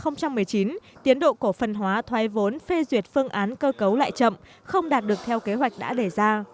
năm hai nghìn một mươi chín tiến độ cổ phần hóa thoái vốn phê duyệt phương án cơ cấu lại chậm không đạt được theo kế hoạch đã đề ra